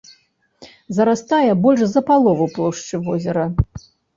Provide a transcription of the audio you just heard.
Зарастае больш за палову плошчы возера.